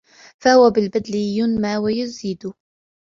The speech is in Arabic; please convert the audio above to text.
فَهُوَ بِالْبَذْلِ يُنَمَّى وَيَزِيدُ